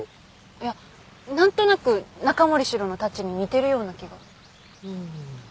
いやなんとなく中森司郎のタッチに似てるような気が。